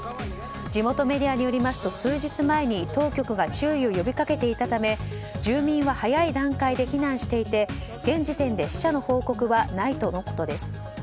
地元メディアによりますと数日前に当局が注意を呼び掛けていたため住民は早い段階で避難していて現時点で死者の報告はないとのことです。